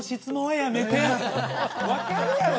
分かるやろ！